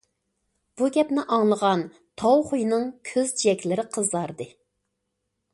بۇ گەپنى ئاڭلىغان تاۋ خۇينىڭ كۆز جىيەكلىرى قىزاردى.